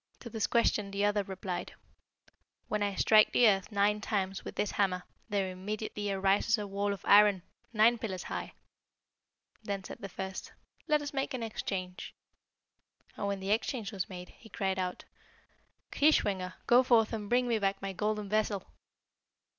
To this question the other replied, 'When I strike the earth nine times with this hammer, there immediately arises a wall of iron, nine pillars high.' Then said the first, 'Let us make an exchange.' And when the exchange was made, he cried out, 'Kreischwinger, go forth and bring me back my golden vessel!'